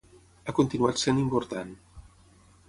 Ha continuat sent important.